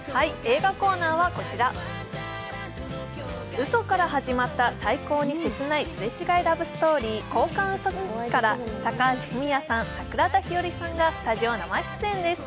うそから始まった最高に切ないラブストーリー、「交換ウソ日記」から高橋文哉さん、桜田ひよりさんがスタジオ生出演です。